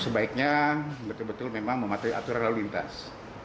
sebaiknya betul betul memang mematuhi aturan lalu lintas